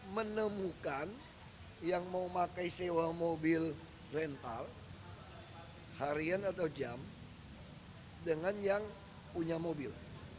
menemukan yang mau pakai sewa mobil rental harian atau jam dengan yang punya mobil